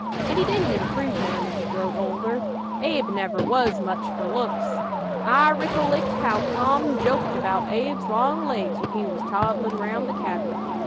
An' he didn't improve none as he growed older. Abe never was much fur looks. I ricollect how Tom joked about Abe's long legs when he was toddlin' round the cabin.